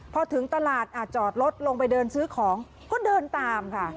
พอถึงตลาดจอดรถลงไปเดินซื้อของก็เดินตามค่ะ